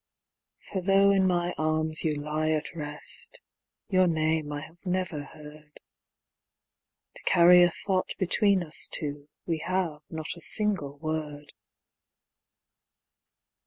For though in my arms you lie at rest, your name I have never heard, To carry a thought between us two, we have not a single word.